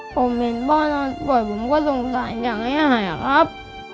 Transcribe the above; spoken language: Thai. ผมเห็นพ่อนอนป่วยผมก็สงสารอย่างไรหรอครับ